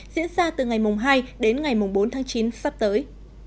diễn ra từ ngày hai đến ngày bốn tháng chín sắp tới